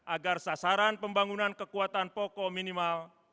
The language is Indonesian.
agar sasaran pembangunan kekuatan pokok minimal